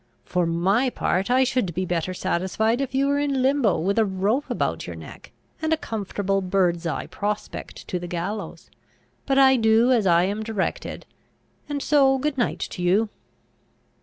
For my part, I should be better satisfied if you were in limbo, with a rope about your neck, and a comfortable bird's eye prospect to the gallows: but I do as I am directed; and so good night to you!"